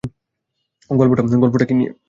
গল্পটা কী নিয়ে?